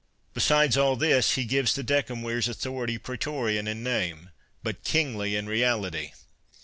Besides all this, he gives the decemvirs author ity pretorian in name, but kingly in reality.